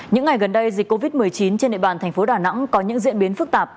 những ngày gần đây dịch covid một mươi chín trên địa bàn thành phố đà nẵng có những diễn biến phức tạp